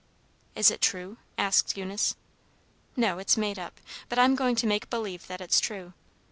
"Is it true?" asked Eunice. "No, it's made up, but I'm going to make believe that it's true.